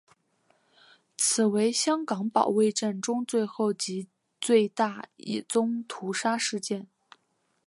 此为香港保卫战中最后及最大一宗屠杀事件。